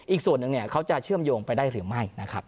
อีกส่วนหนึ่งเขาจะเชื่อมโยงไปได้หรือไม่